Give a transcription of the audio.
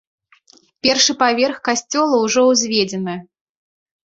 Першы паверх касцёла ўжо ўзведзены.